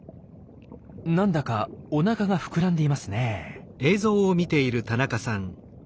何だかおなかがふくらんでいますね。